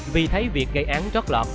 vì thấy việc gây án trót lọt